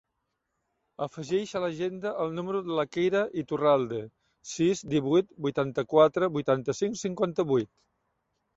Afegeix a l'agenda el número de la Keira Iturralde: sis, divuit, vuitanta-quatre, vuitanta-cinc, cinquanta-vuit.